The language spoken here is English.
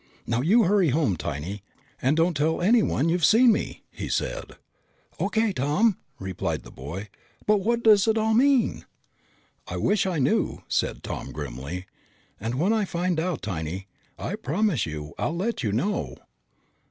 "Now you hurry home, Tiny, and don't tell anyone you've seen me!" he said. "O.K., Tom," replied the boy. "But what does it all mean?" "I wish I knew," said Tom grimly. "And when I find out, Tiny, I promise you I'll let you know."